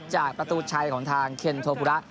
จากประตูชัยของทางเคนโทปุระ